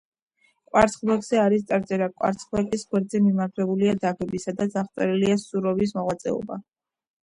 კვარცხლბეკზე არის წარწერა: კვარცხლბეკის გვერდებზე მიმაგრებულია დაფები სადაც აღწერილია სუვოროვის მოღვაწეობა.